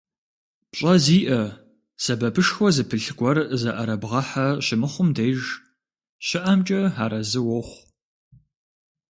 ПщӀэ зиӀэ, сэбэпышхуэ зыпылъ гуэр зыӀэрыбгъэхьэ щымыхъум деж щыӀэмкӀэ арэзы уохъу.